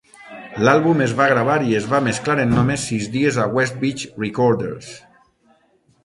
L'àlbum es va gravar i es va mesclar en només sis dies a Westbeach Recorders.